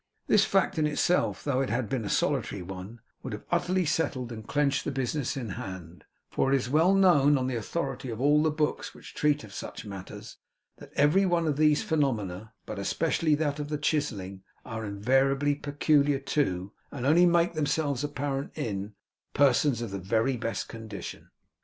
This fact in itself, though it had been a solitary one, would have utterly settled and clenched the business in hand; for it is well known, on the authority of all the books which treat of such matters, that every one of these phenomena, but especially that of the chiselling, are invariably peculiar to, and only make themselves apparent in, persons of the very best condition.